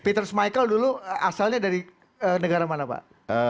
peter smicle dulu asalnya dari negara mana pak